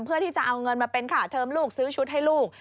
เพื่อที่จะเอาเงินมาเป็นค่าเทอมลูกซื้อชุดให้ลูก